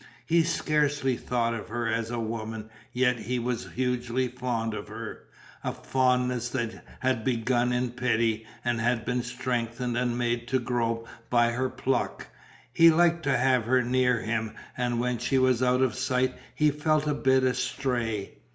He scarcely thought of her as a woman, yet he was hugely fond of her, a fondness that had begun in pity and had been strengthened and made to grow by her pluck. He liked to have her near him and when she was out of sight he felt a bit astray.